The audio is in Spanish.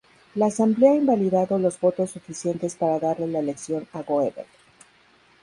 La Asamblea invalidado los votos suficientes para darle la elección a Goebel.